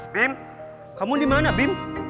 bim kamu dimana bim